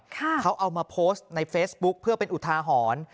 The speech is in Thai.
เขาเอามาโพสต์ในเฟซบุ๊คเพื่อเป็นอุทาหรณ์